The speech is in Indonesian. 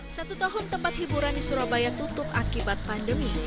satu tahun tempat hiburan di surabaya tutup akibat pandemi